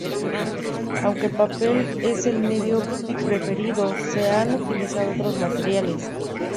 Aunque el papel es el medio preferido, se han utilizado otros materiales.